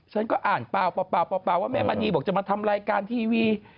ฉันก็อ่านเปล่าว่าแม่มณีบอกจะมาทำรายการทีวี